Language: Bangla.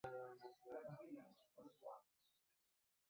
তিনি পাশের বাসিন্দাদের কাছে ফোন করে তাঁর স্বামীর খোঁজ জানতে চান।